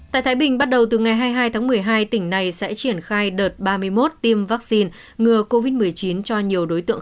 tại thái bình bắt đầu từ ngày hai mươi hai tháng một mươi hai tỉnh này sẽ triển khai đợt ba mươi một tiêm vaccine ngừa covid một mươi chín cho nhiều đối tượng